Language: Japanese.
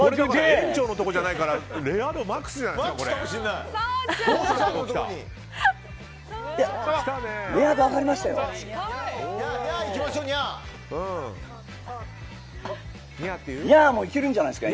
園長のところじゃないからレア度マックスじゃないですか